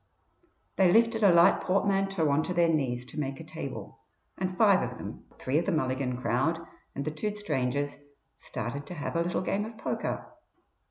They lifted a light portmanteau on to their knees to make a table, and five of them three of the Mulligan crowd and the two strangers started to have a little game of poker.